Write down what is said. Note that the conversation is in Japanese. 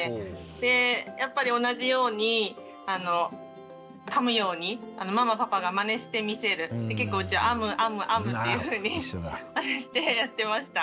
でやっぱり同じようにかむようにママパパがまねして見せる結構うちは「あむあむあむ」っていうふうにしてやってました。